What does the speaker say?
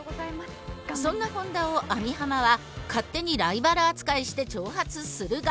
そんな本田を網浜は勝手にライバル扱いして挑発するが。